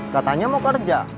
katanya mau kerja